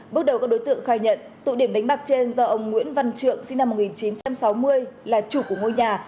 bước đầu các đối tượng khai nhận tụ điểm đánh bạc trên do ông nguyễn văn trượng sinh năm một nghìn chín trăm sáu mươi là chủ của ngôi nhà